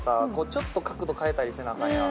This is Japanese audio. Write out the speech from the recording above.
ちょっと角度変えたりせなあかんやん